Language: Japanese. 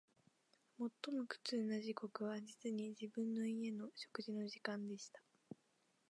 最も苦痛な時刻は、実に、自分の家の食事の時間でした